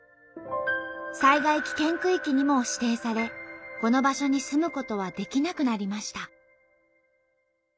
災害危険区域にも指定されこの場所に住むことはできなくなりました。